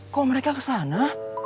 kok mereka kesana